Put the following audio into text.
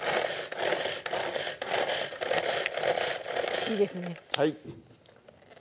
いいですねはい！